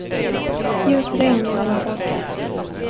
Ge oss regn i denna torka.